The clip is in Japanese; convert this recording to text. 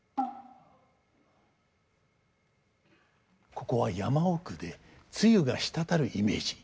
ここは山奥で露が滴るイメージ。